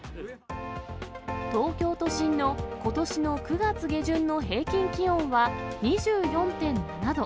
東京都心のことしの９月下旬の平均気温は２４．７度。